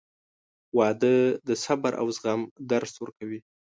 • واده د صبر او زغم درس ورکوي.